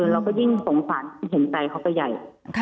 เราก็ยิ่งสงฝันเห็นใจเขาก็ใหญ่